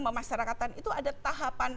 pemasyarakatan itu ada tahapan